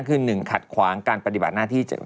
คือ๑ขัดขวางการปฏิบัติหน้าที่